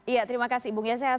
ya terima kasih bung yesaya